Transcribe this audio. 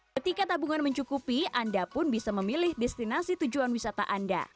ketika tabungan mencukupi anda pun bisa memilih destinasi tujuan wisata anda